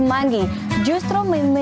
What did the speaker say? hasil yuk constrainte